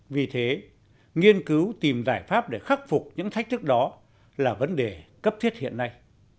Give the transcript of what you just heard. vì thế nghiên cứu tìm giải pháp để khắc phục những thách thức đó là vấn đề cấp thiết hiện nay